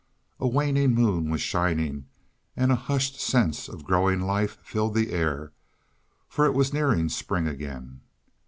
A waning moon was shining, and a hushed sense of growing life filled the air, for it was nearing spring again.